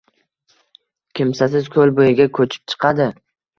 kimsasiz koʼl boʼyiga koʼchib chiqadi.